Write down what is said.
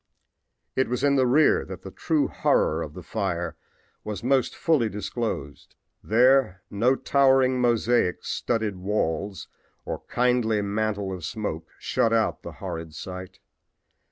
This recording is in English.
It was in the rear that the true horror of the fire was most fully disclosed. There no towering mosaic studded walls or kindly mantle of smoke shut out the horrid sight.